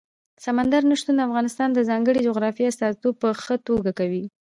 سمندر نه شتون د افغانستان د ځانګړي جغرافیې استازیتوب په ښه توګه کوي.